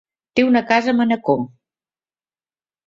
Té una casa a Manacor.